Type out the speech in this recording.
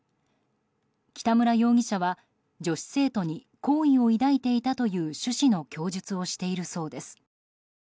北村容疑者は、女子生徒に好意を抱いていたという趣旨の供述をしているそうです。